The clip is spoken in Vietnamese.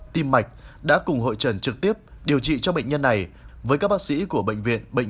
tim mạch đã cùng hội trần trực tiếp điều trị cho bệnh nhân này với các bác sĩ của bệnh viện bệnh